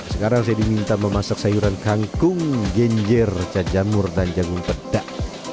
sekarang saya diminta memasak sayuran kangkung genjir cacanmur dan jagung pedak